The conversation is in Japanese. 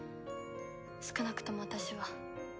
少なくとも私は。